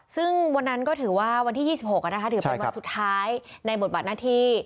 ซึ่งวันนั้นก็ถือว่าวันที่๒๖ถือเป็นวันสุดท้ายในบทบาทหน้าที่